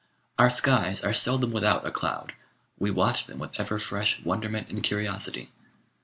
Our skies are seldom without a cloud ; we watch them with ever fresh wonderment and curiosity.